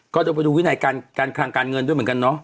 ก็จะไปดูวินัยการคลังการเงินด้วยเหมือนกันเนาะ